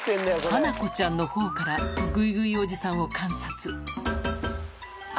ハナコちゃんのほうからグイグイおじさんを観察